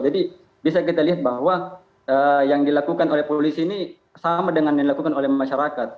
jadi bisa kita lihat bahwa yang dilakukan oleh polisi ini sama dengan yang dilakukan oleh masyarakat